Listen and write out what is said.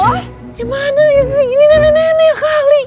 eh mana sih ini nenek kali